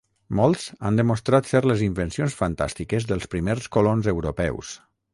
Molts han demostrat ser les invencions fantàstiques dels primers colons europeus.